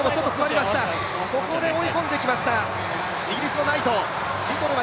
ここで追い込んできました、イギリスのナイト。